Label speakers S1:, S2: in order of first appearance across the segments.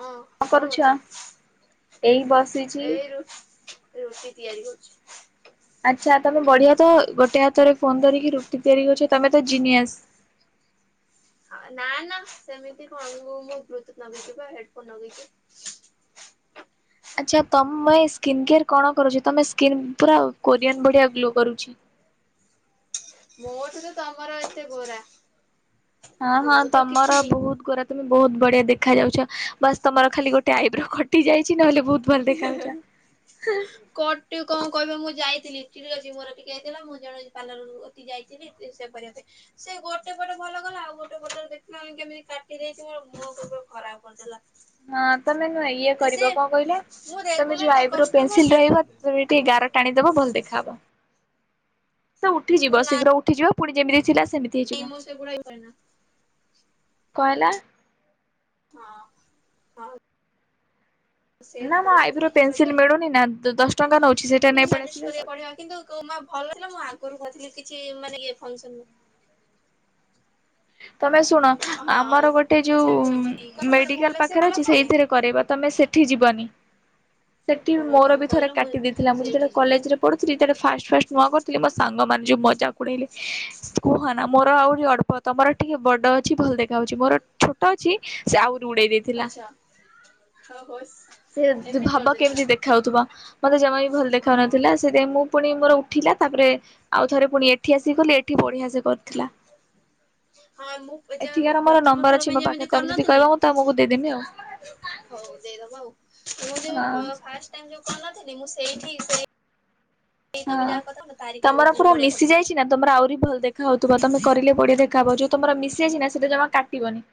S1: ହଁ କଣ
S2: ଏଇ ବସିଛି।
S1: କରୁଚ? ରୁଟି ତିଆରି କରୁଚି।
S2: ଆଚ୍ଛା ତମେ ବଢିଆ ତ ଗୋଟେ ହାତରେ ଫୋନ୍ ଧରିକି ରୁଟି ତିଆରି କରୁଚ ତମେ ତ ଜିନିଅସ୍
S1: ନା ନା ସେମିତି କଣ ମୁଁ ମୋ [unintelligible] ନଗେଇଚି ବା ହେଡଫୋନ୍ ନଗେଇଚି।
S2: ଆଚ୍ଛା ତମେ ସ୍କିନ୍ କେୟାର୍ କଣ କରୁଚି ତମେ ସ୍କିନ୍ ପୁରା କୋରିଆନ୍ ଭଳିଆ ଗ୍ଲୋ କରୁଚି।
S1: ମୋଠୁ ତ ତମର ଏତେ ଗୋରା।
S2: ହଁ-ହଁ
S1: ମୁଁ ତ
S2: ତମର
S1: କିଛିନି
S2: ବହୁତ୍ ଗୋରା। ତମେ ବହୁତ୍ ବଢିଆ ଦେଖା ଯାଉଚ ବାସ୍ ତମର ଖାଲି ଗୋଟେ ଆଇବ୍ରୋ କଟି ଯାଇଚି ନହେଲେ ବହୁତ୍
S1: [unintelligible] କଟେ କଣ କହିବ ମୁଁ ଯାଇଥିଲି [unintelligible] ମୋର ଟିକେ ହେଇଥିଲା ମୁଁ ଜଣେ ପାର୍ଲର ପାଖକୁ ଯାଇଥିଲି [unintelligible] ସେ ଗୋଟେ ପଟ ଭଲ କଲା ଆଉ ଗୋଟେ ପଟରେ ଦେଖିଲ ମାନେ କେମିତି କାଟି ଦେଇଛି ମୋ ମୁହଁ କେତେ ଖରାପ୍ କରିଦେଲା।
S2: ହଁ ତମେ ନୁହଁ ଇଏ
S1: ସେ
S2: କରିବ କଣ କହିଲ
S1: ମୁଁ
S2: ତମେ ଯୋଉ
S1: ରେଗୁଲାର ତା
S2: ଆଇବ୍ରୋ ପେନ୍
S1: କଷ୍ଟମର
S2: ସିଲ୍
S1: ଯେ
S2: ରହିବ
S1: ମୁଁ
S2: ତମେ ଟିକେ ଗାର ଟାଣିଦବ ଭଲ ଦେଖାହବ ଉଠି ଯିବ ଶୀଘ୍ର ଉଠିଯିବ ପୁଣି ଯେମିତି ଥିଲା ସେମିତି ହେଇଯିବ।
S1: ନାଇଁ ମୁଁ ସେଗୁଡା ହୁଏନା।
S2: କଣ ହେଲା?
S1: ହଁ ହଁ। ସେ
S2: ନା
S1: ତ
S2: ମଁ ଆଇବ୍ରୋ
S1: ଉଠିଯିବ
S2: ପେନସିଲ୍
S1: ଯେ
S2: ମିଳୁନି ନା ଦଶ ଟଙ୍କା ନଉଛି ସେଇଟା ନେଇ ପଳେଇ ଆସିଲେ
S1: କୋ ମା ଭଲ ଥିଲା ମୁଁ ଆଗରୁ କହିଥିଲି କିଛି ମାନେ [unintelligible]
S2: ତମେ ଶୁଣ
S1: ହଁ
S2: ଆମର ଗୋଟେ ଯୋଉ
S1: ସେ
S2: ମେଡିକାଲ୍
S1: ଭଲ ସେ
S2: ପାଖରେ
S1: ଭଲ
S2: ଅଛି
S1: କରେ
S2: ସେଇଥିରେ କରେଇବ ତମେ ସେ ସେଠି ଯିବନି। ସେଠି
S1: ହଉ
S2: ମୋର
S1: ତମେ
S2: ବି ଥରେ
S1: କହିଲ ମୁଁ
S2: କାଟି ଦେଇଥିଲା ମୁଁ
S1: ସେଇଠି
S2: ଯେତେବେଳେ
S1: ଯିବି
S2: କଲେଜରେ ପଢ଼ୁଥିଲି ସେତେବେଳେ ଫାଷ୍ଟ ଫାଷ୍ଟ ନୂଆ କରି ସିଏ ମୋ ସାଙ୍ଗମାନେ ଯୋଉ ମଜାକ୍ ଉଡେଇଲେ କୁହନା ମୋର ଆହୁରି ଅଳ୍ପ ତମର ଟିକେ ବଡ଼ ଅଛି ଭଲ ଦେଖା ଯାଉଛି ମୋର ଛୋଟ ଅଛି ସେ ଆହୁରି ଉଡେଇ ଦେଇଥିଲା।
S1: ଆଚ୍ଛା [unintelligible]
S2: ସେ
S1: ଏମିତି
S2: ଭାବ
S1: କରିଦେଇଥିଲା
S2: କେମିତି ଦେଖା ହଉଥିବ ମତେ ଜମା ବି ଭଲ
S1: ହଁ
S2: ଦେଖାଯାଉନଥିଲା। ସେଥିପାଇଁ ମୁଁ ପୁଣି ମୋର ଉଠିଲା ତାପରେ ଆଉ ଥରେ ପୁଣି ଏଠି ଆସିକି କଲି ଏଠି ବଢିଆ ସେ କରିଥିଲା।
S1: ହଁ ମୁଁ ଯା
S2: ଏଠିକାର ମୋର
S1: ପ୍ରଥମ
S2: ନମ୍ବର
S1: ଥର
S2: ଅଛି
S1: ପାଇଁ
S2: ମୋ ପାଖରେ
S1: ଯେମିତି
S2: ତମେ ଯଦି କହିବ
S1: କରିନଥିଲି
S2: ମୁଁ ତମକୁ ଦେଇଦେମି ଆଉ
S1: ହଉ ଦେଇଦେବ ଆଉ ମୁଁ ଯୋଉ
S2: ହଁ
S1: ଫାଷ୍ଟ ଟାଇମ୍ ଯୋଉ କରିନଥିଲି ମୁଁ ସେଇଠି ସେ ସେଇ ତମେ
S2: ହଁ।
S1: ଯାହା କଥା କ ତାରି ପାଖରେ
S2: ତମର
S1: କରିଥିଲ
S2: ପୁରା
S1: ବଡିିଆ
S2: ମିଶି
S1: କରିୁଥିଲା।
S2: ଯାଇଛି ନା ତମର ଆହୁରି ଭଲ ଦେଖା ହଉଥିବ ତମେ କରିଲେ ବଢିଆ ଦେଖା ହବ ଯୋଉ ତମର ମିଶିଯାଇଛି ନା ସେଟା ଜମା କାଟିବନି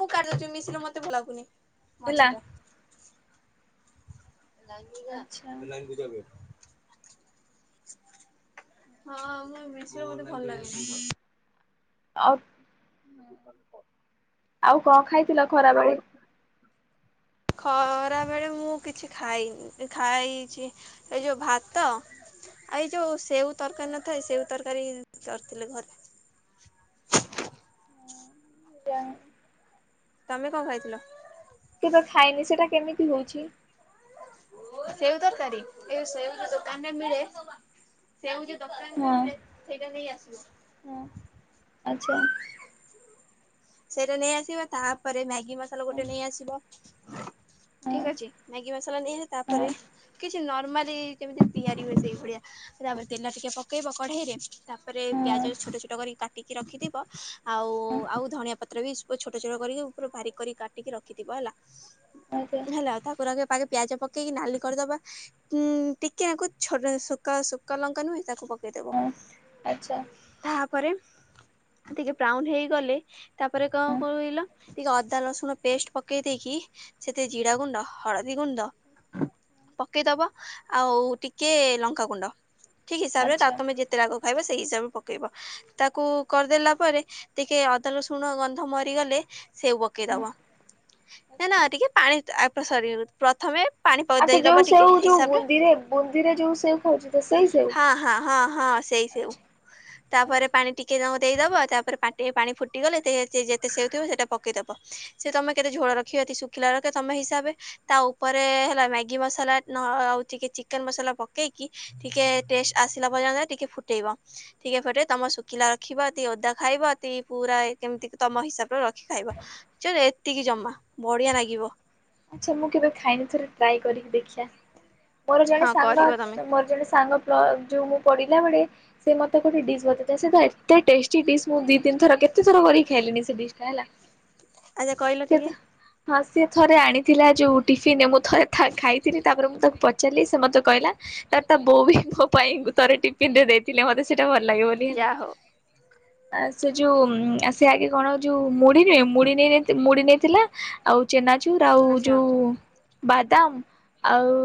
S1: ମୁଁ କାଟିଚୁ ମିଶିଲେ ମତେ ଭଲ ଲାଗୁନି
S2: ହେଲା
S1: ମଝି ଟା ଲାଇନ୍ ପୂଜା
S2: ଆଚ୍ଛା
S1: ଲାଇନ୍ ପୂଜା ହୁଏ। ହଁ ମୁଁ ମିଶିବାକୁ ମୋତେ ଭଲ ଲାଗେ ନାହିଁ।
S2: ଆଉ।
S1: [unintelligible]
S2: ଆଉ କଣ ଖାଇଥିଲ ଖରା ବେଳେ?
S1: ଖରା ବେଳେ ମୁଁ କିଛି ଖାଇନି ଖାଇଛି ଏ ଯୋଉ ଭାତ ଏଇ ଯୋଉ ସେଉ ତରକାରୀ ନଥାଏ ସେଉ ତରକାରୀ କରିଥିଲେ ଘରେ।
S2: [unintelligible]
S1: ତମେ କଣ ଖାଇଥିଲ?
S2: କେବେ ବି ଖାଏନି ସେଟା କେମିତି ହଉଛି?
S1: ସେଉ ତରକାରୀ ଏ ସେଉ ତ ଦୋକାନରେ ମିଳେ ସେଉ ଯୋଉ
S2: ହଁ
S1: ଦୋକାନରେ ମିଳେ ସେଇଟା ନେଇ ଆସିବ
S2: ଆଚ୍ଛା।
S1: ସେଇଟା ନେଇଆସିବ ତାପରେ ମ୍ୟାଗି ମସଲା
S2: ହଁ
S1: ଗୋଟେ ନେଇ ଆସିବ ଠିକ୍
S2: ହଁ।
S1: ଅଛି ମ୍ୟାଗି ମସଲା ନେଇଆସିଲେ
S2: ହଁ।
S1: ତାପରେ ଏମିତି ନର୍ମାଲି ଯେମିତି ତିଆରି ହୁଏ ସେଇଭଳିଆ। ତାପରେ ତେଲ ଟିକେ୍ ପକେଇବ କଢେଇରେ ତାପରେ ପିଆଜ ଛୋଟ ଛୋଟ କରିକି କାଟିକି ରଖିଥିବ ଆଉ
S2: ଆଚ୍ଛା
S1: ଆଉ ଧଣିଆ ପତ୍ର ବି ଛୋଟ ଛୋଟ କରିକି ଭାରି କରି କାଟି କି ରଖିଥିବ ହେଲା। ହେଲା ତାପରେ ଆଗ ପିଆଜ ପକେ ପକେଇକି ନାଲି କରିଦବା ଉଁ ଟିକେ ଆକୁ ଛୋଟ ସୁଖିଳା ଲଙ୍କା ନୁହେଁ ତାକୁ ପକେଇ ଦବୁ
S2: ହଁ। ଆଚ୍ଛା
S1: ତାପରେ ଟିକେ ବ୍ରାଉନ୍ ହେଇଗଲେ ତାପରେ କଣ
S2: ହଁ
S1: କହିଲ ଟିକେ ଅଦା ଲସୁଣ ପେଷ୍ଟ୍ ପକେଇ ଦେଇକି ସେଥିରେ ଜିରା ଗୁଣ୍ଡ ହଳଦୀ ଗୁଣ୍ଡ ପକେଇଦବ ଆଉ ଟିକେ ଲଙ୍କାଗୁଣ୍ଡ ଠିକ୍ ହିସାବରେ ତା ତମେ ଯେତେ ଯେତେ ରାଗ ଖାଇବ ସେଇ ହିସାବରେ ପକେଇବ ତାକୁ କରିଦଲା ପରେ ଟିକେ୍ ଅଦା ରସୁଣ ରଶୁଣ ଗନ୍ଧ ମରିଗଲେ ସେ ପକେଇଦବ ନାଁ ନାଁ ଟିକେ୍ ଆଣି ଆ ସରିଯାଉଛି ପ୍ରଥମେ ପାଣି ପ
S2: ଆଚ୍ଛା ଯୋଉ
S1: ଦେଇଦବ
S2: ସେଉ
S1: ଟିକେ୍ ସେଇ
S2: ଯୋଉ
S1: ହିସାବରେ
S2: ବୁନ୍ଦିରେ ବୁନ୍ଦିରେ ଯୋଉ ସେଉ ଖାଉଛୁ ତ ସେଇ ସେଉ?
S1: ହଁ ହଁ ହଁ ହଁ ସେଇ
S2: ଆଚ୍ଛା
S1: ତାପରେ
S2: ଆଚ୍ଛା।
S1: ପାଣି ଟିକେ୍ ତାଙ୍କୁ ଦେଇଦବ ତାପରେ ପା ପାଣି ଫୁ ଫୁଟିଗଲେ ଯେତେ ଯେ ସେଉଥିବ ସେଟା ପକେଇଦବ ସେ ତମେ କେତେ ଝୋଳ ରଖିବ ଏ ଶୁଖିଲା ରଖିବ ତମେ ହିସାବରେ ତା ଉପରେ ହେଲା ମ୍ୟାଗି ମସଲା ନ ଆଉ ଟିକେ ଚିକେନ୍ ମସଲା ପକେଇକି ଟିକେ୍ ଟେଷ୍ଟ ଆସିଲା ପର୍ଯ୍ୟନ୍ତ ଟିକେ ଫୁଟେଇବ ଟିକେ୍ ପରେ ତମେ ଶୁଖିଲା ରଖିବ କି ଓଦା ଖାଇବତି ପୁରା କେମିତି ତମ ହିସାବରେ ରଖି ଖାଇବ ଚ ଏତିକି ଜମା ବଢିଆ ଲାଗିବ
S2: ଆଚ୍ଛା ମୁଁ କେବେ ଖାଇନି ଥରେ ଟ୍ରାଏ କରିକି ଦେଖିଆ ମୋର ଜଣେ
S1: ହଁ
S2: ସାଙ୍ଗ
S1: କରିବ ତମେ
S2: ଅଛି ମୋର ଜଣେ ସାଙ୍ଗ ଯୋଉ ମୁଁ ପଢିଲା ବେଳେ ସେ ମତେ ଗୋଟେ ଡିସ୍ ବତେଇଥାଏ ସେ ତ ଏତେ ଟେଷ୍ଟି ଟି ଡ଼ିସ୍ ମୁଁ ଦି ତିନି ଥର କେତେଥର କରି ଖାଇଲିଣି ସେ ଡିସ୍ ଟା ହେଲା
S1: ଆଜ୍ଞା କହିଲ
S2: ସେ ତ
S1: ଟିକେ୍
S2: ହଁ ସିଏ ଥରେ ଆଣିଥିଲା ଯୋଉ ଟିଫିିନ୍ ରେ ମୁଁ ଥରେ ଖାଇଥିଲି ତାପରେ ମୁଁ ତାକୁ ପଚାରି ଚାରିଲି ସେ ମତେ କହିଲା ତାର ତା ବୋଉ ବି ମୋ ପାଇଁ ଥରେ ଟିଫିନ୍ ରେ ଦେଇଥିଲେ ମତେ ସେଟା ଭଲ ଲାଗେ ବୋଲି ହେଲା
S1: ଯାହା ହଉ
S2: ଆ ସେ ଯୋଉ ସେ ଆଗେ କଣ ଯୋଉ ମୁଢିରେ ମୁଢି ନେଇ ମୁଢ଼ି ନେଇଥିଲା ଆଉ ଚେନାଚୁର୍ ଆଉ
S1: ଆଚ୍ଛା
S2: ଯୋଉ ବାଦାମ୍ ଆଉ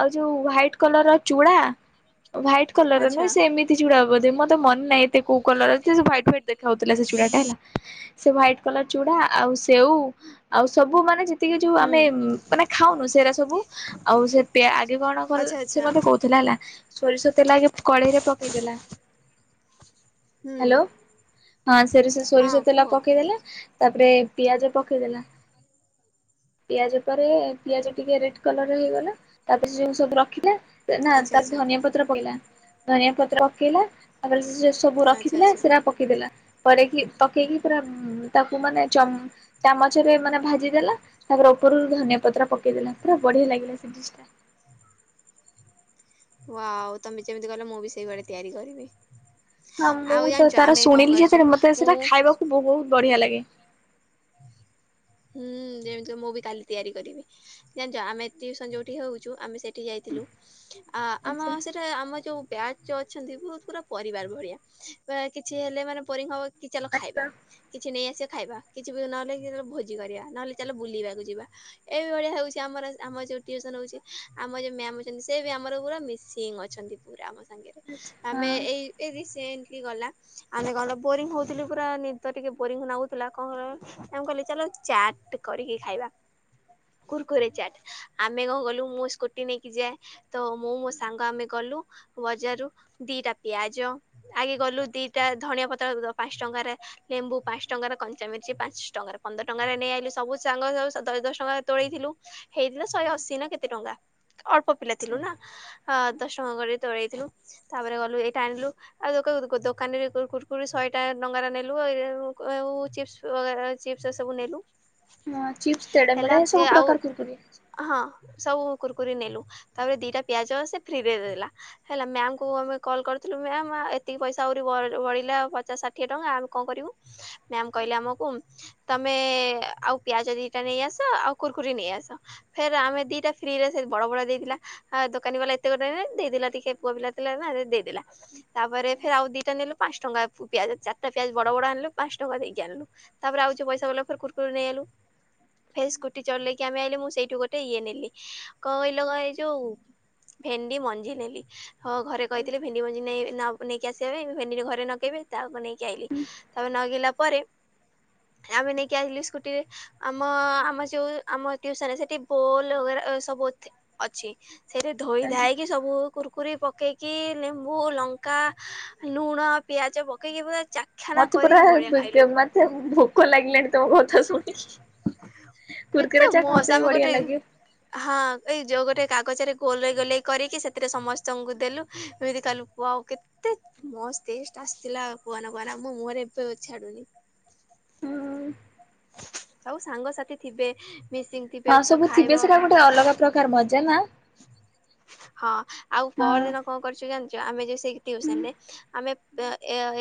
S2: ଆଉ ଯୋଉ ହ୍ଵାଇଟ୍ କଲର୍ ର ଚୁଡା ହ୍ବାଇଟ୍ କଲର
S1: ଆଚ୍ଛା
S2: ନୁହଁ ସେମିତି ଚୁଡା ବେଧେ ମତେ ମନେ ନାଇଁ ଏତେ କଉ କଲର ଏତେ ସେ ହ୍ୱାଇଟ ହ୍ୱାଇଟ୍ ଦେ ଖାଉଥିଲା ସେ ଚୁଡାଟା ହେଲା ସେ ହ୍ବାଇଟ୍ କଲର୍ ଚୁଡା ଆଉ ସେଉ ଆଉ ସବୁ ମାନେ ଯେ ଯେତିକ ଯୋଉ
S1: ହୁଁ
S2: ଆମେ ମାନେ ଖାଉନୁ ସେରା ସବୁ ଆଉ ସେ ପି ଆଗେ କଣ କ
S1: ଆଚ୍ଛା
S2: ସେ
S1: ଆଚ୍ଛା
S2: ମତେ କହୁଥିଲା ହେଲା ସୋରିଷ ତେଲ ଆଗେ କଡେଇରେ ପକେଇଦେଲା
S1: ହୁଁ
S2: ହାଲୋ ହଁ ସେରିଷ
S1: ହଁ
S2: ସୋରିଷ ତେଲ
S1: କୁହ।
S2: ପକେଇଦଲେ ତାପରେ ପିଆଜ ପ କେଇ ଦେଲା? ପିଆଜ ପରେ ପିଆଜ ଟିକେ ରେଡ୍ କଲରର ହେଇଗଲା ତାପରେ ଯୋଉ ସବୁ ରଖିଲା। ନା
S1: ଆଚ୍ଛା
S2: ତାର
S1: ଆଚ୍ଛା
S2: ଧନିଆ ପତ୍ର ପଇଲା ଧନିଆ ପତ୍ର ପକେଇଲା ତାପରେ ସିଏ ସବୁ
S1: ଆଚ୍ଛା
S2: ରଖିଥିଲା
S1: ଆଚ୍ଛା
S2: ସେରା ପକ ପକେଇଦେଲା ପରେଇକି ପକେଇକି ପୁରା ତାକୁ ମାନେ ଚମ୍ ଚାମଚରେ ମାନେ ଭା ଜି ଦେଲା ତାପରେ ଉପରୁ ଧନିଆ ପତ୍ର ପେକେଇଦେଲା ପୁରା ବଢିଆ ଲାଗିଲା ସେ ଡିସ୍ ଟା।
S1: ୱାଓ ତମେ ଯେମିତି କଲ ମୁଁ ବି ସେଇଭଳିଆ ତିଆରି କରିବି।
S2: ହଁ ମୁଁ
S1: ଆଉ
S2: ତ
S1: ଜାଣିଛ
S2: ତାର
S1: ଆମେ କଣ
S2: ଶୁଣିଲି
S1: କରିଛୁ
S2: ଯେତେବେଳେ ମତେ
S1: ମୁଁ
S2: ସେଟା ଖାଇବାକୁ ବହୁତ ବଢିଆ ଲାଗେ।
S1: ହୁଁ ଯେମିତି ହଉ ମୁଁ ବି କାଲି ତିଆରି କରିବି। ଜାଣିଚ ଆମେ ଟିଉସନ୍ ଯୋଉଠି ହଉଛୁ ଆମେ ସେଇଠି ଯାଇଥିଲୁ ଆ ଆମ
S2: ଆଚ୍ଛା
S1: ସେଠ ହେ ଆମ ଯୋଉ ବ୍ୟାଚ୍ ଅଛନ୍ତି ବହୁତ ପୁରା ପରିବାର ଭଳିଆ କିଛି ହେଲେ ମାନେ ବୋରିଙ୍ଗ୍ ହବ କି ଚାଲ
S2: ଆଚ୍ଛା
S1: ଖାଇବା
S2: ଆଚ୍ଛା
S1: କିଛି ନେଇଆସିବା ଖାଇବା କିଛି ବି ନହେଲେ କିଏ ଧର ଭୋଜ ଜି କରିବା ନହେଲେ ଚାଲ ବୁଲିବାକୁ ଯିବା। ଏ ଭଳିଆ ହଉଛି ଆମର ଆମର ଯଉ ଟିଉସନ୍ ହଉଛି ଆମ ଯଉ ମ୍ୟାମ୍ ଅଛନ୍ତି ସେ ବି ଆମର ପୁରା ମିସିଂ ଅ ଅଛନ୍ତି ପୁରା ଆମ ସାଙ୍ଗରେ
S2: ହଁ।
S1: ଆମେ ଏଇ ଏଇ ରିସେଣ୍ଟ୍ଲି ଗଲା। ଆମେ କଣ ଲୋ ବୋରିଙ୍ଗ ହଉଥିଲୁ ପୁରା ନିଦ ଟିକେ ବୋରିଙ୍ଗ ନାଗୁଥିଲା କଣ ୟାଙ୍କୁ କହିଲି ଚାଲ ଚାଟ୍ କରିକି ଖାଇବା କୁରକୁରେ ଚାଟ୍। ଆମେ କଣ ଗଲୁ ମୁଁ ସ୍କୁଟି ନେଇକି ଯାଏ ତ ମୁଁ ମୋ ସାଙ୍ଗ ଆମେ ଗଲୁ ବଜାରରୁ ଦିଟା ପିଆଜ ଆଗେ ଗଲୁ ଦିଟା ଧଣିଆ ପତ୍ର ଦ ପାଞ୍ଚ ଟଙ୍କାରେ ଲେମ୍ବୁ ପାଞ୍ଚ ଟଙ୍କାର କଞ୍ଚା ମିର୍ଚି ପାଞ୍ଚ ଟଙ୍କାର ପନ୍ଦର ଟଙ୍କାରେ ନେଇଆଇଲୁ ସବୁ ସାଙ୍ଗ ସବୁ ଦଶ ଦଶ ଟଙ୍କା ତୋଳେଇଥିଲୁ। ହେଇଥିଲା ଶହେ ଅଶି ନା କେତେ ଟଙ୍କା ଅଳ୍ପ
S2: ଆଚ୍ଛା
S1: ପିଲା ଥିଲୁ ନା
S2: ଆଚ୍ଛା।
S1: ଅ ଦଶ ଟଙ୍କା କରି ତୋଳେଇଥିଲୁ ତାପରେ ଗଲୁ ଏଇଟା ଆଣିଲୁ ଆଉ ଦୋକ ଦୋକାନରେ କୁ କୁରକୁରି ଶହେଟା ଟଙ୍କାର ନେଲୁ ଆଉ [unintelligible] ଚିପ୍ସ ବଗେରା ଚିପ୍ସ ସବୁ ନେଲୁ।
S2: ମୁଆଁ ଚିପ୍ସ
S1: ହେଲା
S2: ତେଢେମେଢେ ସବୁ
S1: ଆଉ
S2: ପ୍ରକାର କୁରକୁରି।
S1: ହଁ ସବୁ କୁୁରକୁରି ନେଲୁ ତାପରେ ଦିଟା ପିଆଜ ସେ ଫ୍ରିରେ ଦେଇଦେଲା। ହେଲା ମ୍ୟାମ୍ କୁ ଆମେ କଲ୍ କରିଥିଲୁ ମ୍ୟାମ୍ ଏତିକି ପଇସା ଆହୁରି ବଳ ବଳିଲା ଆଉ ପଚାଶ ଷାଠ ଠିଏ ଟଙ୍କା ଆମେ କଣ କରିବୁ ମ୍ୟାମ୍ କହିଲେ ଆମକୁ ତମେ ଏ ଏ ଆଉ ପିଆଜ ଦିଟା ନେଇ ଆସ ଆଉ କୁୁରକୁରି ନେଇ ଆସ। ଫେରେ ଆମେ ଦିଟା ଫ୍ରିରେ ସେ ବଡ ବଡ ଦେଇଥିଲା ଅ ଦୋକାନୀ ବାଲା ଏତେ ଗୋଟେ ଦେଇଦେଲା ଟିକେ ପୁଅ ପିଲା ଥିଲା ନା ସେ ଦେଇଦେଲା। ତାପରେ ଫେରେ ଆଉ ଦିଟା ନେଲୁ ପାଞ୍ଚ ଟଙ୍କା ପିଆଜ ଚାରିଟା ପିଆଜ ବଡ଼ ବଡ଼ ଆଣିଲୁ ପାଞ୍ଚ ଟଙ୍କା ଦେଇକି ଆଣିଲୁ। ତାପରେ ଆଉ ଯଉ ପଇସା ବଳିଲା ଫେରେ କୁରକୁରି ନେଇଆଇଲୁ। ଫେର୍ ସ୍କୁଟି ଚଲେଇକି ଆମେ ଆଇଲୁ ମୁଁ ସେଇଠୁ ଗୋଟେ ଇଏ ନେଲି କଣ କହିଲ କ ଏଇ ଯୋଉ ଭେଣ୍ଡି ମଞ୍ଜି ନେଲି ହଁ ଘରେ କହିଥିଲେ ଭେଣ୍ଡି ମଞ୍ଜି ନେଇ ନ ନେଇକି ଆସିବା ପାଇଁ ଭେଣ୍ଡି ତ ଘରେ ନଗେଇବେ ତାକୁ ନେଇକି ଆଇଲି। ତାପରେ ନଗେଇଲା ପରେ ଆମେ ନେଇକି ଆଇଲୁ ସ୍କୁଟିରେ। ଆମ ଆମ ଯଉ ଆମ ଟିଉସନ ସେଠି ବୋଲ ବଗେରା ସବୁ ଅ ଅଛି। ସେଇଠେ ଧୋଇଧାଇକି ସବୁ କୁରକୁରି ପକେଇକି ଲେମ୍ବୁ, ଲଙ୍କା, ନୁଣ, ପିଆଜ ପକେଇକି ପୁରା ଚା
S2: ମତେ ପୁରା ବି ମତେ ଭୋକ ଲାଗିଲାଣି ତମ ଘରୁ ଥା ଶୁଣୁକି
S1: କେତେ
S2: କୁୁରକୁରେ ଚାଟ
S1: ମସ୍ତ
S2: ମତେ
S1: ଆମେ
S2: ବି
S1: ଗୋଟେ
S2: ବଢ଼ିଆ ଲାଗେ।
S1: ହଁ ଏଇ ଯୋଉ ଗୋଟେ କାଗଜରେ ଗୋଲେଇ ଗୋଲେଇ କରିକି ସେଥିରେ ସମସ୍ତଙ୍କୁ ଦେଲୁ ଏମିତି ଖାଇଲୁ ଓୱା କେ ଏତେ ମସ୍ତ ଟେଷ୍ଟ ଆସିଥିଲା କୁହନା କୁହନା ମୁଁ ମୁହଁରେ ଏବେ ଛାଡୁନି।
S2: ହୁଁ
S1: ଆଉ ସାଙ୍ଗସାଥୀ ଥିବେ ମିସିଙ୍ଗ
S2: ହଁ ସବୁ ଥିବେ ସେଟା ଗୋଟେ ଅଲଗା ପ୍ରକାର ମଜା ନା
S1: ହଁ ଆଉ ପରଦିନ କଣ କରିଚୁ ଜା ଯୋଉ ଆମେ ଯୋଉ
S2: ହଁ।
S1: ଟିଉସନ ରେ ଆମେ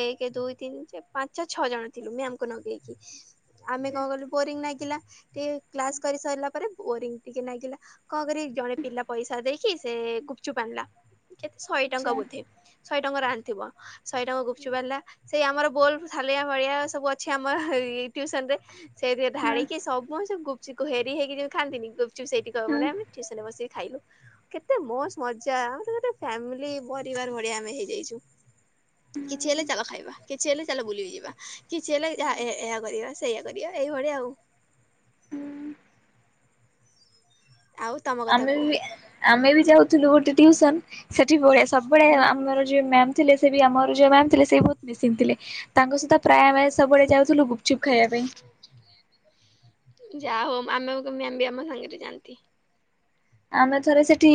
S1: ଏକ, ଦୁଇ, ତିନି, ଚାରି, ପା ପାଞ୍ଚ ଛଅ ଜଣ ଥିଲୁ ମାମ୍ କୁ ନଗେଇକି ଆମେ କଣ କଲୁ ବୋରିଙ୍ଗ ଲାଗିଲା ଟିକେ କ୍ଲାସ କରି ସାରିଲା ପରେ ବୋରିଙ୍ଗ ଟିକେ ନାଗିଲା କଣ କରିବି ଜଣେ ପିଲା ପଇସା ଦେଇକି ସେ ଗୁପ୍ ଚୁପ୍ ଆଣିଲା କେତେ ଶହେ ଟଙ୍କା
S2: ଆଚ୍ଛା
S1: ବୋଧେ ଶହେ ଟଙ୍କାର ଆଣିଥିବ ଶହେ ଟଙ୍କା ଗୁପ୍ ଚୁପ୍ ଆଣିଲା ସେଇ ଆମର ବୋଲ ଲିଆ ଭଳିଆ ସବୁ ଅଛି ଆମର ଟିଉସନରେ। ସେଇଥିରେ
S2: ହଁ
S1: ଢ଼ାଳିକି ସମତେ ଗୁପ୍ ଚୁପ୍ ହେରି ହେଇକିି ଖାଆନ୍ତିି ନି ଗୁପ୍ ଚୁପ୍ ସେଇଠି କ
S2: ହଁ
S1: ମାନେ ଆମେ ଡେ ବସିକି ଖାଇଲୁ କେତେ ମୋସ୍ ମଜା ଆମେ ଫ୍ୟାମିଲି ପରିବାର ଭଳିଆ ଆମେ ହେଇଯାଇଛୁ। କିଛି ହେଲେ
S2: ହଁ।
S1: ଚାଲ ଖାଇବା, କିଛି ହେଲେ ଚାଲ ବୁଲିଯିବା, କିଛି ହେଲେ ଏହା କରିବା ସେଇଆ କରିବା ଏହି ଭଳିଆ ଆଉ। ଆଉ ତମ କଥା
S2: ଆମେ
S1: କୁହ
S2: ବି ଆମେ ବି ଯାଉଥିଲୁ ଗୋଟେ ଟିଉସନ୍ ସେଠି ହୁଏ ସବୁବେଳେ
S1: ହୁଁ
S2: ଆମର ଯୋଉ ମ୍ୟାମ୍ ଥିଲେ ସେ ବି ଆମର ଯୋଉ ମ୍ୟାମ୍ ଥିଲେ ସେ ବହୁତ ମିକ୍ସିଂ ଥିଲେ। ତାଙ୍କ ସହିତ ପ୍ରାୟ ଆମେ ସବୁବେଳେ ଯାଉଥିଲୁ ଗୁପ୍ ଚୁପ୍ ଖାଇବା ପାଇଁ।
S1: ଯାହା ହଉ ଆମେ ମ୍ୟାମ୍ ବି ଆମ ସାଙ୍ଗରେ ଯାଆନ୍ତି।
S2: ଆମେ ଥରେ ସେଠି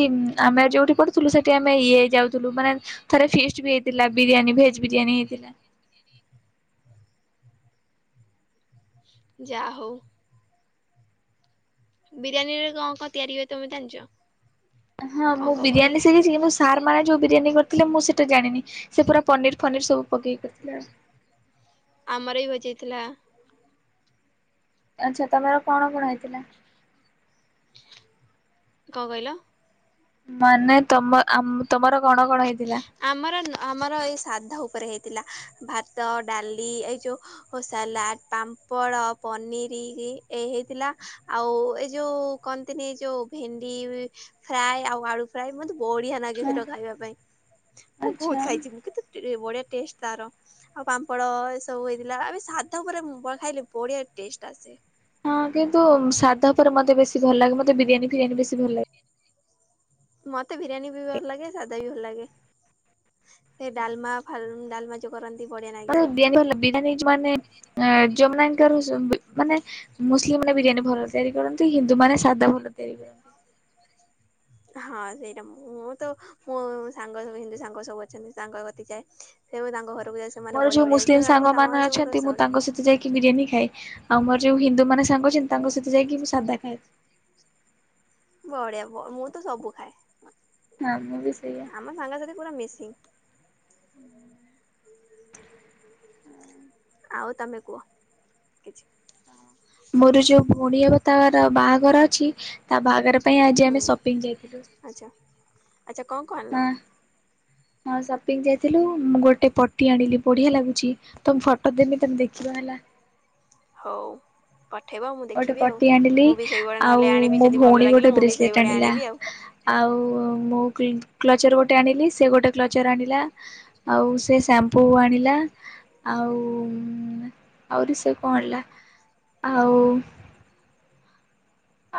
S2: ଆମେ ଯୋଉଠି ପଢୁଥିଲୁ ସେଠି ଆମେ ଇଏ ହେଇ ଯାଉଥିଲୁ ମାନେ ଥରେ ଫିଷ୍ଟ ବି ହେଇଥିଲା ବିରିୟାନୀ ଭେଜ୍ ବିରିୟାନୀ ହେଇଥିଲା।
S1: ଯା ହଉ। ବିରିୟାନୀରେ କଣ କଣ ତିଆରି ହୁଏ ତମେ ଜାଣିଛ?
S2: ହଁ
S1: କଣ
S2: ମୁଁ
S1: କଣ ପଡେ
S2: ବିରିୟାନୀ ସିକି କିନ୍ତୁ ସାର୍ ମାନେ ଯୋଉ ବିରିୟାନୀ କରିଥିଲେ ମୁଁ ସେଇଟା ଜାଣିନି ସେ ପୁରା ପନିରି ଫନିରି ସବୁ ପକେଇକ କରିଥିଲେ।
S1: ଆମର ବି ଭୋଜିହେଇଥିଲା।
S2: ଆଚ୍ଛା ତମର କଣ କଣ ହେଇଥିଲା?
S1: କଣ କହିଲ।
S2: ମାନେ ତମ ଆ ତମର କଣ କଣ ହେଇଥିଲା?
S1: ଆମର ନ ଆମର ଏଇ ଶ୍ରାଦ୍ଧ ଉପରେ ହେଇଥିଲା ଭାତ ଡାଲି ଏଇ ଯେଉଁ ଓ ସାଲାଡ଼ ପାମ୍ପଡ଼ ପନିରିରି ଏଇ ହେଇଥିଲା ଆଉ ଏ ଯୋଉ କନ୍ତିନି ଯୋଉ ଭେଣ୍ଡି ଫ୍ରାଏ ଆଉ ଆଳୁ ଫ୍ରାଏ ମତେ ବଢିଆ ଲାଗେ ସେଇଟା ଖାଇବା ପାଇଁ। ମୁଁ ବହୁତୁ
S2: ଆଚ୍ଛା।
S1: ଖାଇଛି କିତେ ବଢିଆ ଟେଷ୍ଟ ତାର। ଆଉ ପାମ୍ପଡ଼ ଏ ସବୁ ହେଇଥିଲା ଏବେ ସାଧା ଉପରେ ମୁଁ ଖାଇଲେ ବଢିଆ ଟେଷ୍ଟ ଆସେ।
S2: ହଁ କିନ୍ତୁ ସାଧା ଉପରେ ମତେ ବେସି ଭଲ ଲାଗେ ମତେ ବିରିୟାନୀ ଫିରିୟାନୀ ବେଶୀ ଭଲ ଲାଗେ।
S1: ମତେ ବିରିୟାନୀ ବି ଭଲ ଲାଗେ ସାଧା ବି ଭଲ ଲାଗେ ସେ ଡାଲମା ଫା ଡାଲମା ଯୋଉ କରନ୍ତି ବଢିଆ ଲାଗେ
S2: [unintelligible] ମାନେ ମୁସିଲିମ୍ ମାନେ ବିରିୟାନୀ ଭଲ ତିଆରି କରନ୍ତି ହିନ୍ଦୁ ମାନେ ସାଧା ଭଲ ତିଆରି କରନ୍ତି।
S1: ହଁ ସେଇଟା ମୁଁ ତ ମୋ ସାଙ୍ଗ ସବୁ ହିନ୍ଦୁ ସାଙ୍ଗ ସବୁ ଅଛନ୍ତି ତାକ କତିକି ଯାଏ। ସେଏବି ତାଙ୍କ ଘରକୁ ଯାଇ ସେମାନେ
S2: ମୋର ଯୋଉ
S1: ବଢିଆ ବଢିଆ
S2: ମୁସଲିମ ସାଙ୍ଗ
S1: ତାଙ୍କ ତ
S2: ମାନେ
S1: ସବୁ ରା
S2: ଅଛନ୍ତି ମୁଁ
S1: ବ [unintelligible]
S2: ତାଙ୍କ ସହିତ ଯାଇକି ବିରିୟାନ ଖାଏ ଆଉ ମୋର ଯୋଉ ହିନ୍ଦୁ ମାନେ ସାଙ୍ଗ ଅଛନ୍ତି ତାଙ୍କ ସହିତ ଯାଇକି ମୁଁ ସାଧା ଖାଏ।
S1: ବଢିଆ ବ ମୁଁ ତ ସବୁ ଖାଏ।
S2: ହଁ ମୁଁ ବି ସେଇଆ।
S1: ଆମ ସାଙ୍ଗ ସାଥି ପୁରା ମିଶିଗୀ। ଆଉ ତମେ କୁହ କିଛି
S2: ମୋର ଯୋଉ ଭଉଣୀ ହବ ତାର ବାହାଘର ଅଛି ତା ବାହାଘର ପାଇଁ ଆଜି
S1: ହୁଁ
S2: ଆମେ ସପିଙ୍ଗ ଯାଇଥିଲୁ।
S1: ଆଚ୍ଛା ଆଚ୍ଛା କଣ କଣ ଆଣିଲ?
S2: ହଁ ହଁ ସପିଙ୍ଗ ଯାଇଥିଲୁ ମୁଁ ଗୋଟେ ପଟି ଆଣିଲି ବଢ଼ିଆ ଲାଗୁଛି। ତମେ ଫଟୋ ଦେମି ତମେ ଦେଖିବ ହେଲା।
S1: ହୋଉ ପଠେଇବ ମୁଁ
S2: ଗୋଟେ
S1: ଦେଖିବି ଆଉ
S2: ପଟି ଆଣିଲି
S1: ମୁଁ ବି ସେଇଭଳିଆ
S2: ଆଉ
S1: ନହେଲେ ଆଣିବି
S2: ମୋ
S1: ଯଦି
S2: ଭଉଣୀ
S1: ଭଲ
S2: ଗୋଟେ
S1: ଲାଗିଲା ମୁଁ ବି
S2: ବ୍ରେସଲେଟ୍
S1: ସେଇଭଳିଆ
S2: ଆଣିଲା।
S1: ଆଣିବି ଆଉ।
S2: ଆଉ ମୁଁ କି କ୍ଲଚର୍ ଗୋଟେ ଆଣିଲି ସେ ଗୋଟେ କ୍ଲଚର୍ ଆଣିଲା। ଆଉ ସେ ସାମ୍ପୁ ଆଣିଲା। ଆଉ ଆହୁରି ସେ କଣ ଆଣିଲା ଆଉ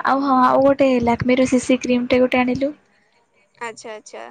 S2: ଆଉ ହଁ ଆଉ ଗୋଟେ ଲାକ୍ମିର ସିସି କ୍ରିମ ଟେ ଗୋଟେ ଆଣିଲୁ।
S1: ଆଛା ଆଛା।